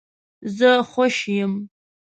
زه خوش یم